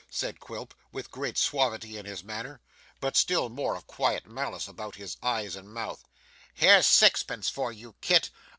said Quilp, with great suavity in his manner, but still more of quiet malice about his eyes and mouth. 'Here's sixpence for you, Kit.